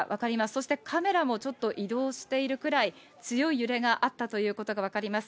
そしてカメラもちょっと移動しているくらい、強い揺れがあったということが分かります。